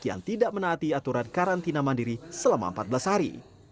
yang tidak menaati aturan karantina mandiri selama empat belas hari